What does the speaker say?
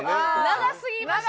長すぎましたよね。